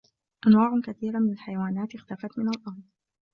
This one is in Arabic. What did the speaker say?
أنواع كثيرة من الحيوانات اختفت من الأرض